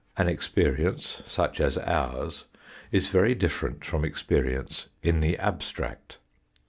An ex perience such as ours is very different from experience in the abstract.